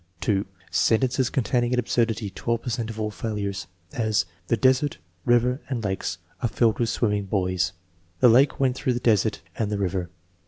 (2) Sentences containing an absurdity (12 per cent of the fail ures); as: "The desert, river, and lakes are filled with swim ming boys." "The lake went through the desert and the river."